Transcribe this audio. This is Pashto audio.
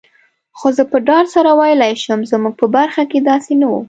خو زه په ډاډ سره ویلای شم، زموږ په برخه کي داسي نه وو.